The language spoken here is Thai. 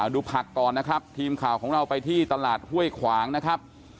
ดูผักก่อนนะครับทีมข่าวของเราไปที่ตลาดห้วยขวางนะครับ